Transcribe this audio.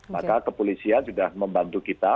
maka kepolisian sudah membantu kita